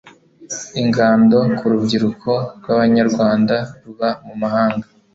ingando ku rubyiruko rw'abanyarwanda ruba mu mahanga